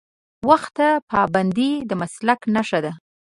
وخت ته پابندي د مسلک نښه ده.